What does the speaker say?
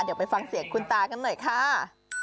เดี๋ยวไปฟังเสียงคุณตากันหน่อยค่ะ